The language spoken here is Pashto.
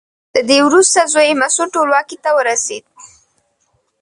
له ده وروسته زوی یې مسعود ټولواکۍ ته ورسېد.